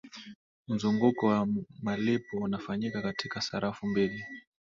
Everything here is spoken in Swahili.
mzunguko wa malipo unafanyika katika sarafu mbili